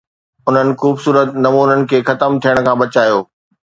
انهن خوبصورت نمونن کي ختم ٿيڻ کان بچايو